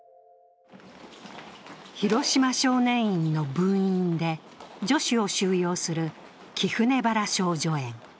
広島少年院の分院で女子を収容する貴船原少女苑。